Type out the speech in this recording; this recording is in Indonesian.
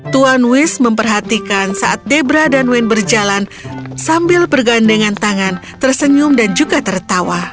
tuan wish memperhatikan saat debra dan win berjalan sambil bergandengan tangan tersenyum dan juga tertawa